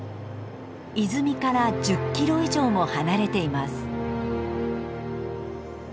泉から１０キロ以上も離れています。